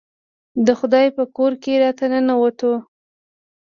د خدای په کور کې راته ننوتو.